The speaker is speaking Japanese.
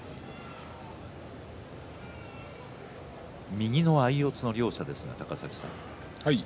右の相四つの両者ですが高崎さん